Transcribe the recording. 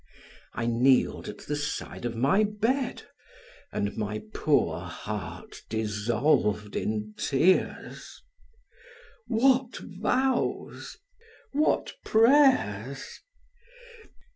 I kneeled at the side of my bed and my poor heart dissolved in tears. What vows! what prayers!